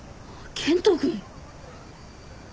健人君。